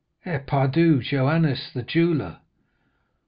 "'Eh, pardieu! Joannes, the jeweller.